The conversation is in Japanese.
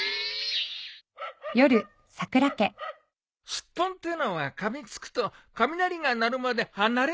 スッポンってのはかみつくと雷が鳴るまで離れないっていうからな。